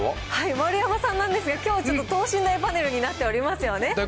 丸山さんなんですが、きょうちょっと等身大パネルになっておりますよね。